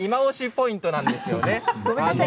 ポイントなんですよね。